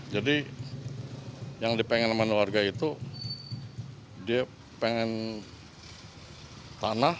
jadi yang dipengen warga itu dia pengen tanah